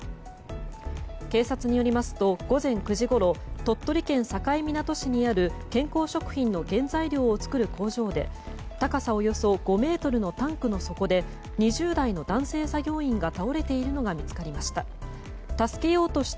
警察によりますと午前９時ごろ鳥取県境港市にある健康食品の原材料を作る工場で高さおよそ５ｍのタンクの底で２０代の男性作業員が倒れているのが見つかりました。